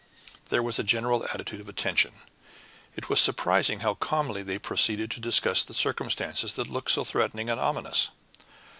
There was a general attitude of attention. It was surprising how calmly they proceeded to discuss the circumstances that looked so threatening and ominous.